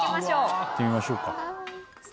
行ってみましょうか。